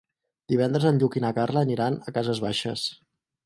Divendres en Lluc i na Carla aniran a Cases Baixes.